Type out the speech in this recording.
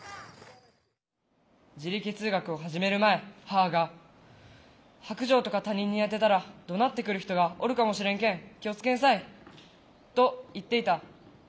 自力通学を始める前母が「白じょうとか他人に当てたらどなってくる人がおるかもしれんけん気を付けんさい」と言っていた。